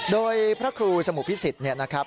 โดยพระครูสมุพิสิทธิ์เนี่ยนะครับ